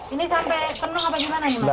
ini sampai penuh apa gimana